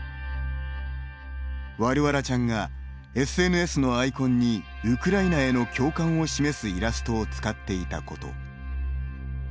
ワルワラちゃんがＳＮＳのアイコンにウクライナへの共感を示すイラストを使っていたこと。